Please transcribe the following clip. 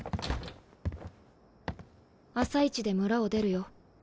朝イチで村を出るよ。